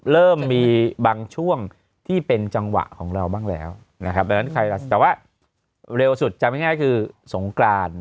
เริ่มมีบางช่วงที่เป็นจังหวะของเราบ้างแล้วนะครับดังนั้นแต่ว่าเร็วสุดจำง่ายคือสงกราน